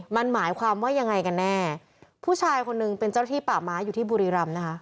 มันหมายความว่ายังไงกันแน่ผู้ชายคนหนึ่งเป็นเจ้าที่ป่าไม้อยู่ที่บุรีรำนะคะ